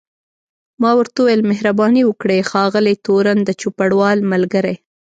ما ورته وویل مهرباني وکړئ ښاغلی تورن، د چوپړوال ملګری.